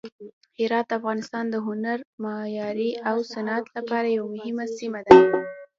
هرات د افغانستان د هنر، معمارۍ او صنعت لپاره یوه مهمه سیمه ده.